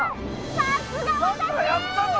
さくらやったぞ！